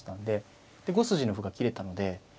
で５筋の歩が切れたので。